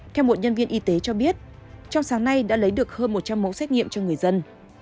theo một nhân viên y tế cho biết trong sáng nay đã lấy được hơn một trăm linh mẫu xét nghiệm cho người dân